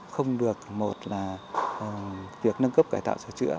không được một là việc nâng cấp cải tạo sửa chữa